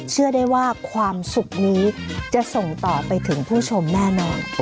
เชื่อได้ว่าความสุขนี้จะส่งต่อไปถึงผู้ชมแน่นอน